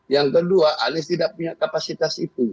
yang kedua anies tidak punya kapasitas itu